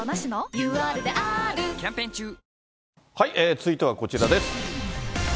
続いてはこちらです。